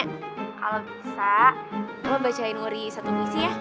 kalo bisa lo bacain wuri satu puisi ya